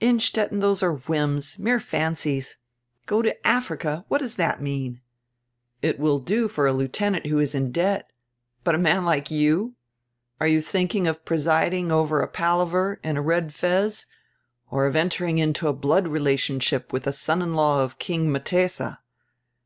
Innstetten, those are whims, mere fancies. Go to Africa! What does that mean? It will do for a lieutenant who is in deht But a man like you! Are you thinking of presiding over a palaver, in a red fez, or of entering into blood relationship widi a son in law of King Mtesa?